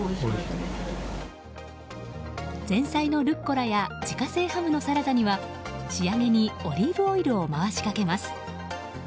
前菜のルッコラや自家製ハムのサラダには仕上げにオリーブオイルを回しかけます。